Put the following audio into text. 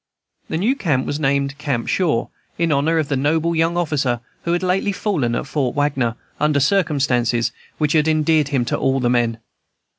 The new camp was named Camp Shaw, in honor of the noble young officer who had lately fallen at Fort Wagner, under circumstances which had endeared him to all the men.